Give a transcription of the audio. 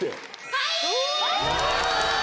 はい！